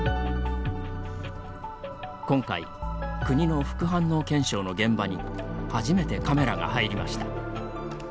今回、国の副反応検証の現場に初めてカメラが入りました。